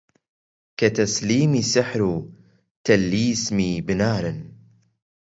کە تەسلیمی سیحر و تەلیسمی بنارن